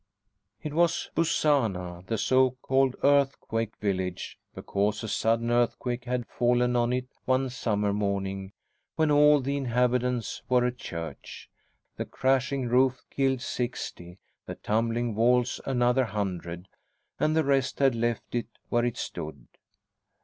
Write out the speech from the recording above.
It was Bussana, the so called earthquake village, because a sudden earthquake had fallen on it one summer morning when all the inhabitants were at church. The crashing roof killed sixty, the tumbling walls another hundred, and the rest had left it where it stood.